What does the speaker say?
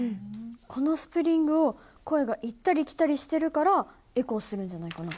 このスプリングを声が行ったり来たりしてるからエコーするんじゃないかな。